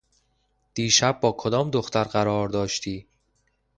دیشب با کدام دختر قرار داشتی؟